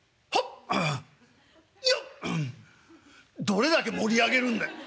「どれだけ盛り上げるんだよ。